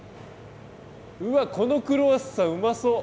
うわっこのクロワッサンうまそう！